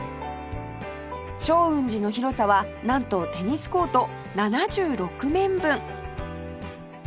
祥雲寺の広さはなんとテニスコート７６面分！